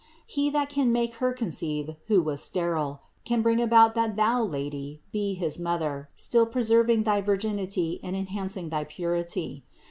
He that can make her con ceive, who was sterile, can bring it about, that Thou, Lady, be his Mother, still preserving thy virginity and enhancing thy purity.